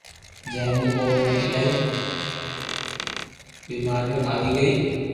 جي مون او ۾ ايلائي بآماريو آوي گئي